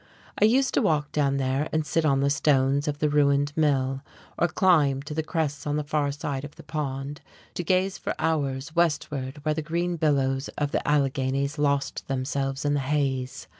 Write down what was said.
I used to walk down there and sit on the stones of the ruined mill; or climb to the crests on the far side of the pond to gaze for hours westward where the green billows of the Alleghenies lost themselves in the haze.